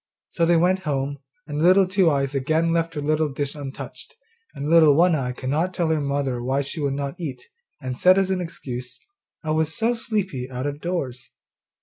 So they went home, and Little Two eyes again left her little dish untouched, and Little One eye could not tell her mother why she would not eat, and said as an excuse, 'I was so sleepy out of doors.